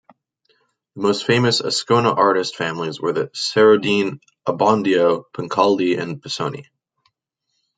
The most famous Ascona artist families were the Serodine, Abbondio, Pancaldi and Pisoni.